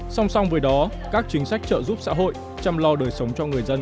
song song với đó các chính sách trợ giúp xã hội chăm lo đời sống cho người dân